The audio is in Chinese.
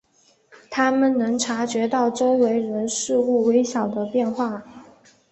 他们能察觉周围人事物微小的变化。